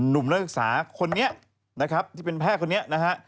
นุ่มนักศึกษาคนเนี่ยที่เป็นแพร่คนนี้